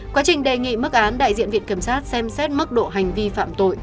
quá trình đề nghị mức án đại diện viện kiểm sát xem xét mức độ hành vi phạm tội